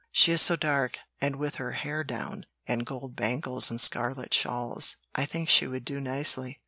She is so dark, and with her hair down, and gold bangles and scarlet shawls, I think she would do nicely.